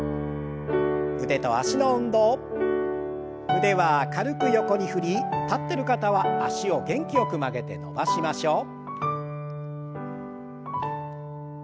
腕は軽く横に振り立ってる方は脚を元気よく曲げて伸ばしましょう。